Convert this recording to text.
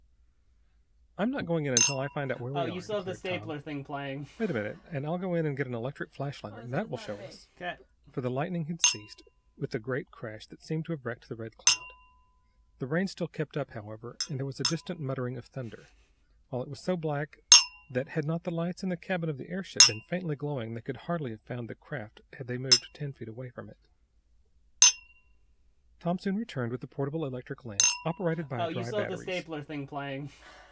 "I'm not going in until I find out where we are," declared Tom. "Wait a minute, and I'll go in and get an electric flash lantern. That will show us," for the lightning had ceased with the great crash that seemed to have wrecked the Red Cloud. The rain still kept up, however, and there was a distant muttering of thunder, while it was so black that had not the lights in the cabin of the airship been faintly glowing they could hardly have found the craft had they moved ten feet away from it. Tom soon returned with the portable electric lamp, operated by dry batteries.